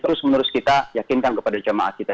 terus menerus kita yakinkan kepada jamaah kita